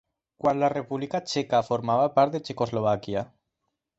Quan la República Txeca formava part de Txecoslovàquia.